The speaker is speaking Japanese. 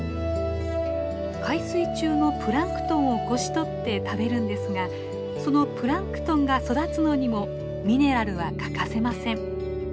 海水中のプランクトンをこし取って食べるんですがそのプランクトンが育つのにもミネラルは欠かせません。